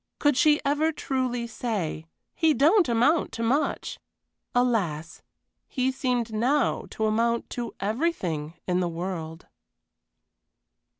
Could she ever truly say, "He don't amount to much!" Alas! he seemed now to amount to everything in the world.